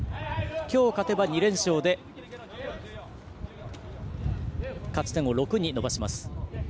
今日、勝てば２連勝で勝ち点６に伸ばします。